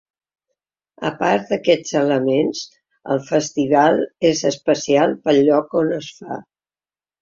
A part d’aquests elements, el festival és especial pel lloc on es fa.